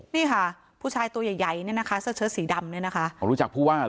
นี่ค่ะผู้ชายตัวใหญ่เนี่ยนะคะเสื้อเชื้อสีดำเนี่ยนะคะ